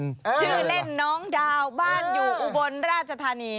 ชื่อเล่นน้องดาวบ้านอยู่อุบลราชธานี